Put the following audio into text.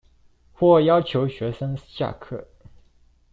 或要求學生下課